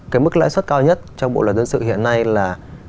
cái mức lãi suất cao nhất trong bộ luật dân sự hiện nay là